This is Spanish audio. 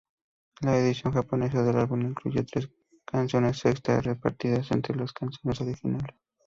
La edición japonesa del álbum incluye tres canciones extra, repartidas entre las canciones originales.